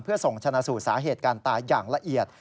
เพื่อส่งชนะสูตรสาเหตุการตายอย่างละเอียด